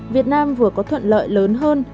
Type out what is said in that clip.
việt nam vừa có thuận lợi lớn hơn